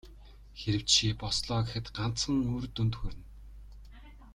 Хэрэв чи бослоо гэхэд ганцхан үр дүнд хүрнэ.